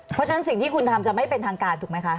เพราะฉะนั้นสิ่งที่คุณทำจะไม่เป็นทางการถูกไหมคะ